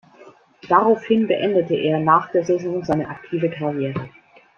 Daraufhin beendete er nach der Saison seine aktive Karriere.